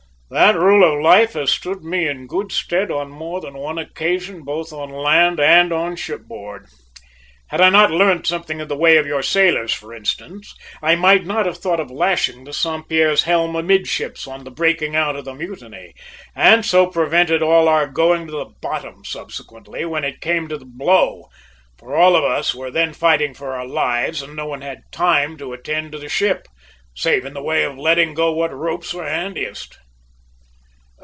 "That rule of life has stood me in good stead on more than one occasion, both on land and on shipboard. Had I not learnt something of the ways of your sailors, for instance, I might not have thought of lashing the Saint Pierre's helm amidships on the breaking out of the mutiny, and so prevented all our going to the bottom subsequently, when it came on to blow; for all of us were then fighting for our lives and no one had time to attend to the ship, save in the way of letting go what ropes were handiest."